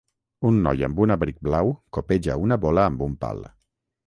Un noi amb un abric blau copeja una bola amb un pal.